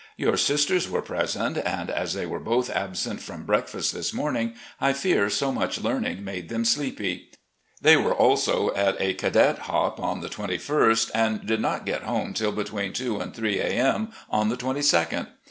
Your sisters were present, and as they were both absent from breakfast this morning I fear so much learning made them sleepy. They were also at a cadet hop on the 21st, and did not get home till between two and three a. m. on the 2 2d.